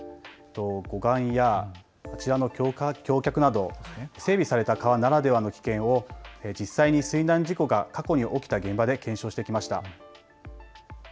護岸や橋脚など整備された川ならではの危険を実際に水難事故が過去に起きた現場で検証してきました。